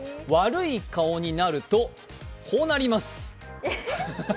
悪い顔になると、こうなります。